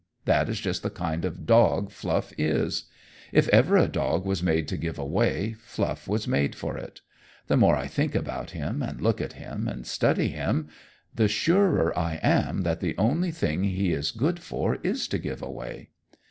That is just the kind of dog Fluff is. If ever a dog was made to give away, Fluff was made for it. The more I think about him and look at him and study him, the surer I am that the only thing he is good for is to give away."